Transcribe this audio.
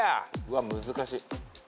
うわ難しい。